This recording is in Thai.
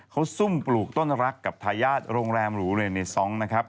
เขาซุ่มปลูกต้นรักกับทายาทโรงแรมหรูเรนเนซองนะครับ